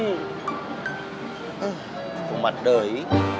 ah kumat doi